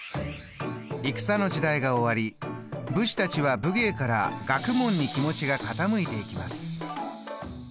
戦の時代が終わり武士たちは武芸から学問に気持ちが傾いていきます。